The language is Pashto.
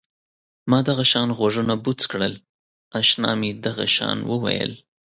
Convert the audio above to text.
ما دغه شان غوږونه بوڅ کړل اشنا مې دغه شان وویل.